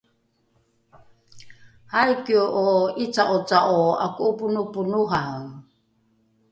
aikie’o ’ica’oca’o ’ako’oponoponohae?